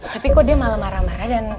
tapi kok dia malah marah marah